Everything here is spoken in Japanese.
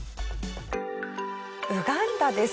ウガンダです。